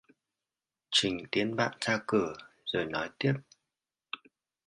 Trình tiễn bạn ra cửa rồi nói tiếp